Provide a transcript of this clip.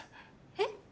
えっ？